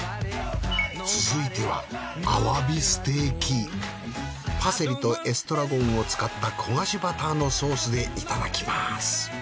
続いてはパセリとエストラゴンを使った焦がしバターのソースでいただきます